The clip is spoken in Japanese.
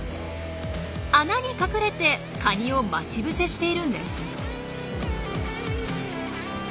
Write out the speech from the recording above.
穴に隠れてカニを待ち伏せしているんです。